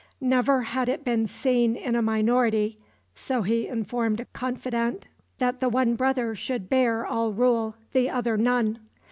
Never had it been seen in a minority so he informed a confidant that the one brother should bear all rule, the other none.